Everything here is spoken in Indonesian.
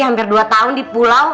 hampir dua tahun di pulau